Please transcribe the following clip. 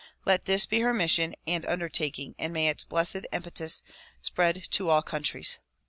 Let this be her mission and undertaking and may its blessed impetus spread to all countries.